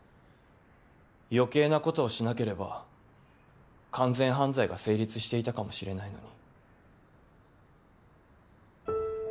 余計なことをしなければ完全犯罪が成立していたかもしれないのに。